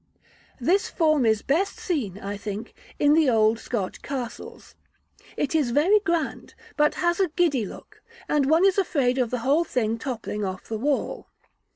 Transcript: This form is best seen, I think, in the old Scotch castles; it is very grand, but has a giddy look, and one is afraid of the whole thing toppling off the wall.